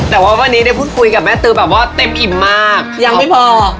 แต่ว่าวันนี้ได้พูดคุยกับแม่ตือแบบว่าเต็มอิ่มมากยังไม่พอ